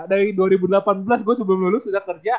dari dua ribu delapan belas gue sebelum lulus sudah kerja